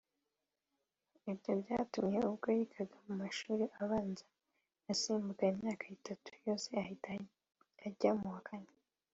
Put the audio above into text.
Ibyo byatumye ubwo yigaga mu mashuri abanza asimbuka imyaka itatu yose ahita ajya mu wa kane